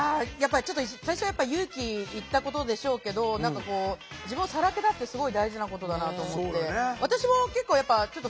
最初はやっぱり勇気いったことでしょうけど自分をさらけ出すってすごい大事なことだと思って。